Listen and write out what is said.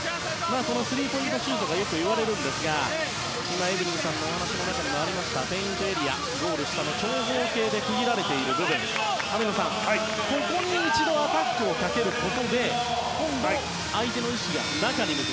このスリーポイントシュートがよくいわれますが今、エブリンさんのお話にもありましたようにペイントエリア、ゴール下の長方形で区切られている部分網野さん、ここに一度アタックをかけることで今度は相手の意識が中に向く。